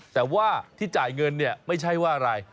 แต่ว่าที่จ่ายเงินเนี่ยไม่ใช่ว่าอะไร